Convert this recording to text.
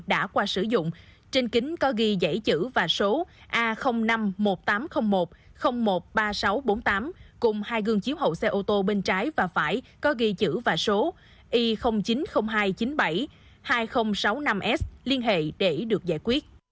đã qua sử dụng trên kính có ghi dãy chữ và số a năm mươi một nghìn tám trăm linh một một mươi ba nghìn sáu trăm bốn mươi tám cùng hai gương chiếu hậu xe ô tô bên trái và phải có ghi chữ và số i chín mươi nghìn hai trăm chín mươi bảy hai nghìn sáu mươi năm s liên hệ để được giải quyết